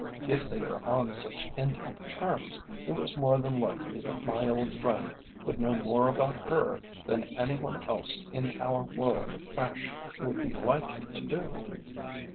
If they were on such intimate terms it was more than likely that my old friend would know more about her than any one else in our world of fashion would be likely to do.